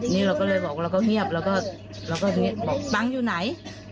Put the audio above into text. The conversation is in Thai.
นี่เราก็เลยบอกว่าเราก็เงียบแล้วก็เราก็บอกตังค์อยู่ไหน